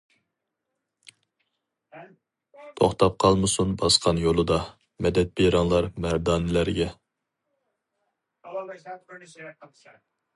توختاپ قالمىسۇن باسقان يولىدا، مەدەت بېرىڭلار مەردانىلەرگە.